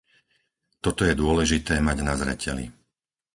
Toto je dôležité mať na zreteli.